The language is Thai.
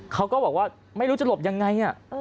เขาก็บอกว่าไม่รู้จะหลบยังไง